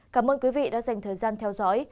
cảm ơn quý vị đã dành thời gian theo dõi